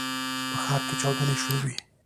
په ښار کې چاودنې شوي.